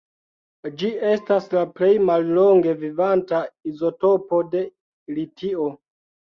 Ĝi estas la plej mallonge vivanta izotopo de litio.